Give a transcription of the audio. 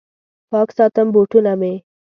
پاک ساتم بوټونه مې